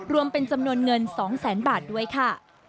รวมเป็นจำนวนเงิน๒แสนบาทด้วยค่ะ